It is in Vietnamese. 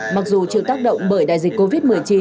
mặc dù chịu tác động bởi đại dịch covid một mươi chín